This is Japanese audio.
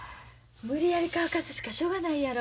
無理やり乾かすしかしょうがないやろ。